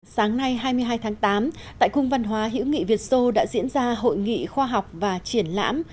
sáng nay hai mươi hai tháng tám tại cung văn hóa hữu nghị việt sô đã diễn ra hội nghị khoa học và triển lãm